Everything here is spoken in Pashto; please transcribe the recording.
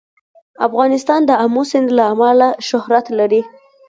افغانستان د آمو سیند له امله شهرت لري.